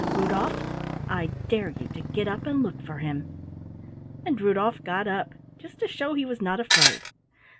Rudolf, I dare you to get up and look for him!" And Rudolf got up just to show he was not afraid.